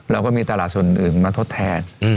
เราก็มีตลาดส่วนอื่นมาทดแทน